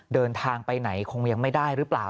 เดินทางไปไหนคงยังไม่ได้หรือเปล่า